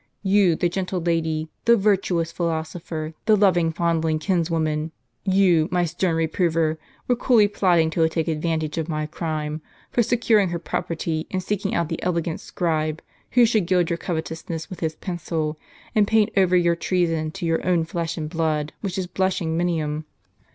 you, the gentle lady, the virtuous philosopher, the loving, fondling kinswoman, you, my stern reprover, were coolly plot ting to take advantage of my crime, for securing her property, and seeking out the elegant scribe, who should gild your covetousness with his pencil, and paint over your treason to your own flesh and blood, with his blushing minium.'"